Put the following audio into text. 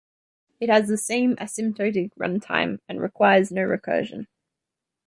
It has the same asymptotic runtime and requires no recursion.